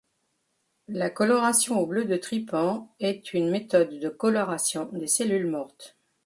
La coloration au bleu de trypan est une méthode de coloration des cellules mortes.